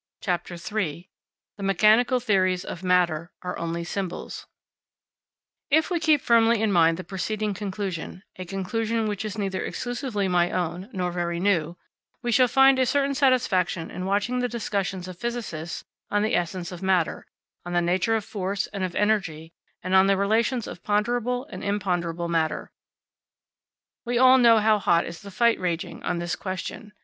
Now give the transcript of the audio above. ] CHAPTER III THE MECHANICAL THEORIES OF MATTER ARE ONLY SYMBOLS If we keep firmly in mind the preceding conclusion a conclusion which is neither exclusively my own, nor very new we shall find a certain satisfaction in watching the discussions of physicists on the essence of matter, on the nature of force and of energy, and on the relations of ponderable and imponderable matter. We all know how hot is the fight raging on this question.